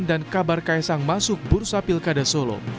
dan kabar ksang masuk bursa pilkada solo